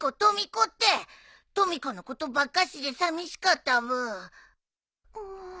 とみ子のことばっかしでさみしかったブー。